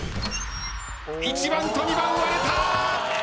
１番と２番割れた！